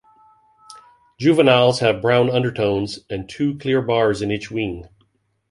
Juveniles have brown undertones and two clear bars in each wing.